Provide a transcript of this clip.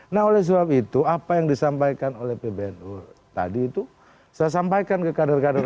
nah oleh sebab itu apa yang disampaikan oleh pbnu tadi itu saya sampaikan ke kader kader